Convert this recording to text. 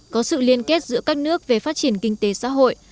có sự liên kết giữa các nước về phát triển kinh tế xã hội